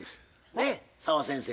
ねっ澤先生？